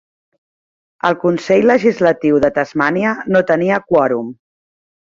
El Consell Legislatiu de Tasmània no tenia quòrum.